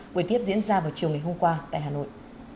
buổi tiếp diễn ra vào chiều ngày hôm qua tại hà nội